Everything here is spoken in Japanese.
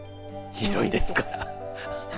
広いですから。